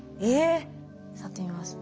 触ってみます。